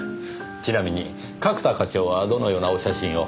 ちなみに角田課長はどのようなお写真を？